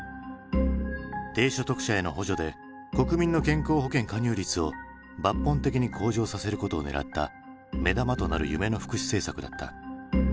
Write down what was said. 低所得者への補助で国民の健康保険加入率を抜本的に向上させることをねらった目玉となる夢の福祉政策だった。